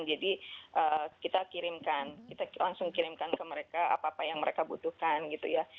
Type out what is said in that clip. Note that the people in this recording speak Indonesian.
jadi kita kirimkan kita langsung kirimkan ke mereka apa apa yang mereka butuhkan gitu ya